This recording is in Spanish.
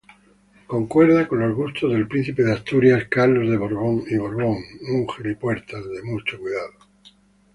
Concuerda con los gustos del príncipe de Asturias, Carlos de Borbón.